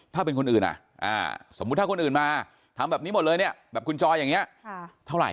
ถ้าเป็นคนอื่นอ่ะสมมุติถ้าคนอื่นมาทำแบบนี้หมดเลยเนี่ยแบบคุณจอยอย่างนี้เท่าไหร่